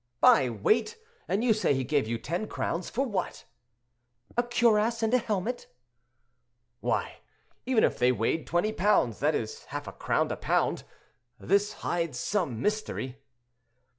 "By weight! and you say he gave you ten crowns—for what?" "A cuirass and a helmet." "Why, even if they weighed twenty pounds, that is half a crown a pound. This hides some mystery."